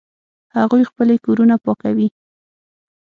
هغوی خپلې کورونه پاکوي